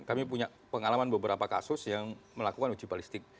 kami punya pengalaman beberapa kasus yang melakukan uji balistik